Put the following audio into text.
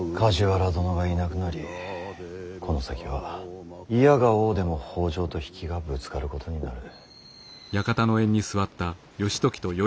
梶原殿がいなくなりこの先はいやがおうでも北条と比企がぶつかることになる。